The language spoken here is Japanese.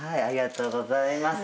ありがとうございます。